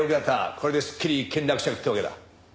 これですっきり一件落着ってわけだ。